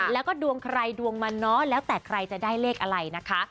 แล้วก็ดวงใครดวงมันเนาะแล้วแต่ใครจะได้เลขอะไรนะคะ